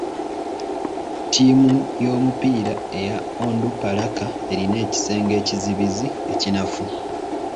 Ttiimu y'omupiira eya Onduparaka erina ekisenge ekizibizi ekinafu.